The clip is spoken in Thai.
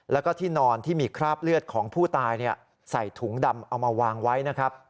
แล้วก็ที่นอนที่มีคราบเลือดของผู้ตายใส่ถุงดำเอามาวางไว้นะครับ